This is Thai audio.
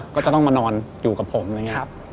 ก็จะต้องมานอนอยู่กับผมนะไง